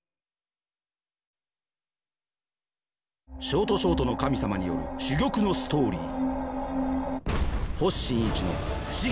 ショートショートの神様による珠玉のストーリー。